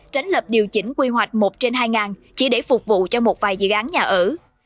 tránh lập điều chỉnh quy hoạch một trên hai ngàn chỉ để phục vụ cho một vài dự án nhà ở